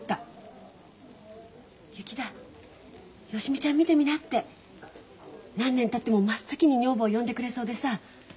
「雪だ芳美ちゃん見てみな」って何年たっても真っ先に女房を呼んでくれそうでさ。